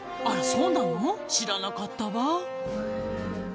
あらそうなの知らなかったわ！